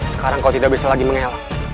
sekarang kau tidak bisa lagi mengelak